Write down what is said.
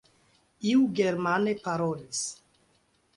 Iu germane parolis.